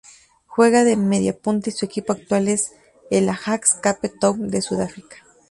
Juega de mediapunta y su equipo actual es el Ajax Cape Town de Sudáfrica.